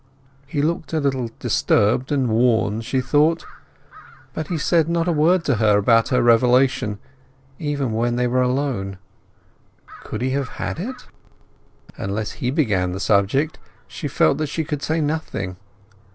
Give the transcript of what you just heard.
He looked a little disturbed and worn, she thought. But he said not a word to her about her revelation, even when they were alone. Could he have had it? Unless he began the subject she felt that she could say nothing.